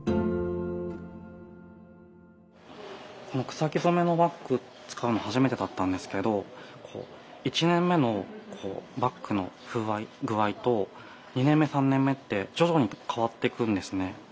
草木染めのバッグ使うの初めてだったんですけど１年目のバッグの風合い具合と２年目３年目って徐々に変わってくんですね。